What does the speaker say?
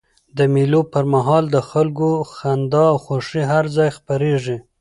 د مېلو پر مهال د خلکو خندا او خوښۍ هر ځای خپریږي.